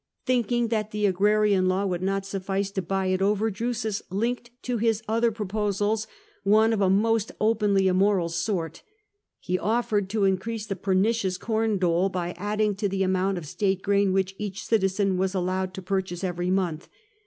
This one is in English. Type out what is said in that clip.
Thinking that the Agrarian Law would not suffice to buy it oven Drusus linked to his other proposals one of a most openly immoral sort. He offered to increase the pernicious corn dole, by adding to the amount of state grain which each citizen was allowed to purchase every month.